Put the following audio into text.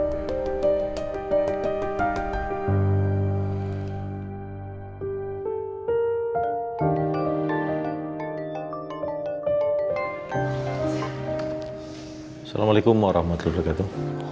assalamualaikum warahmatullahi wabarakatuh